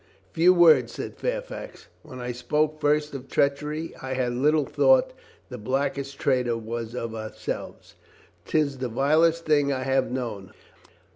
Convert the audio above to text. "Few words," said Fairfax. "When I spoke first of treachery I had little thought the blackest traitor was of ourselves. 'Tis the vilest thing I have known.